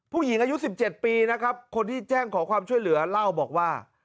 ผู้หญิงอายุ๑๗ปีนะครับคนที่แจ้งขอความช่วยเหลือเล่าบอกว่า